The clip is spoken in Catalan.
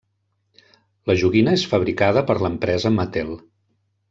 La joguina és fabricada per l'empresa Mattel.